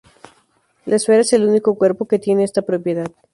La esfera es el único cuerpo que tiene esta propiedad.